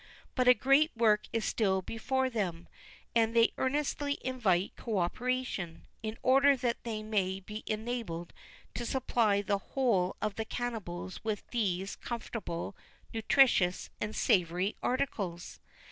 But a great work is still before them; and they earnestly invite co operation, in order that they may be enabled to supply the whole of the cannibals with these comfortable, nutritious, and savoury articles.